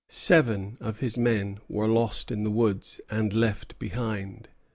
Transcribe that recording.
Seven of his men were lost in the woods and left behind.